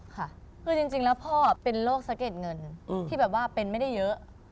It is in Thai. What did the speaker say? ค่ะคือจริงแล้วพ่อเป็นโรคสะเก็ดเงินที่แบบว่าเป็นไม่ได้เยอะ